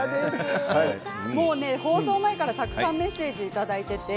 放送前からたくさんメッセージをいただいています。